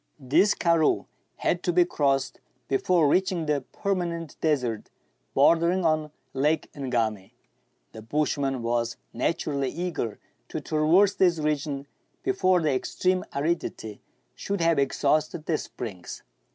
This karroo had to be crossed before reaching the perma nent desert bordering on Lake Ngami. The bushman was naturally eager to traverse this region before the extreme aridity should have exhausted the springs.